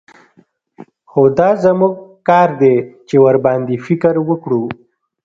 خو دا زموږ کار دى چې ورباندې فکر وکړو.